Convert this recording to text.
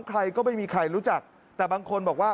ใครก็ไม่มีใครรู้จักแต่บางคนบอกว่า